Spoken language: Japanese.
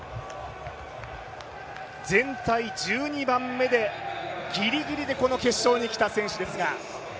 全体１２番目でギリギリでこの決勝に来た選手ですが。